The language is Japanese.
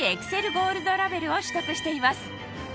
ゴールドラベルを取得しています